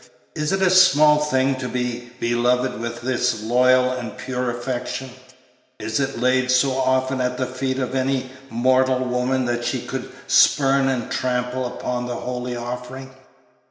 Is it a small thing to be beloved with this loyal and pure affection? Is it laid so often at the feet of any mortal woman that she should spurn and trample upon the holy offering?